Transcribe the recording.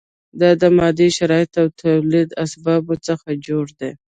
دا د مادي شرایطو او تولیدي اسبابو څخه جوړه ده.